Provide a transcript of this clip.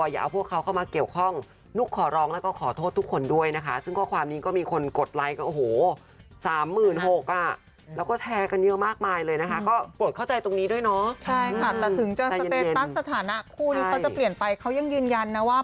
ใช่ค่ะเพราะจะมีแฟนคลับหลายกลุ่มเหมือนกันที่เป็นห่างว่า